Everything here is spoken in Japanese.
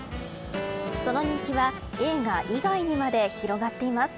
その人気は映画以外にまで広がっています